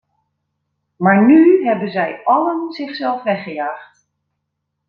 Maar nu hebben zij allen zichzelf weggejaagd.